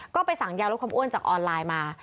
ก็ไปสั่งยาลดความอ้วนจากออนไลน์มา